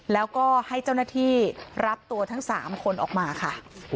แล้วก็ให้เจ้าหน้าที่รับตัวทั้ง๓คนออกมาค่ะ